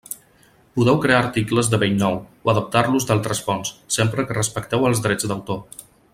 Podeu crear articles de bell nou, o adaptar-los d'altres fonts, sempre que respecteu els drets d'autor.